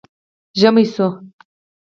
ژمی شو